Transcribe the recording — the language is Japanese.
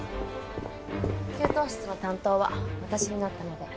給湯室の担当は私になったので。